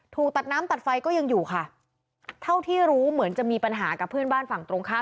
ถูกตัดน้ำตัดไฟก็ยังอยู่ค่ะเท่าที่รู้เหมือนจะมีปัญหากับเพื่อนบ้านฝั่งตรงข้าม